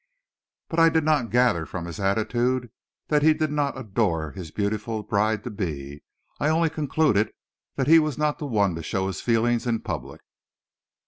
But I did not gather from his attitude that he did not adore his beautiful bride to be; I only concluded that he was not one to show his feelings in public.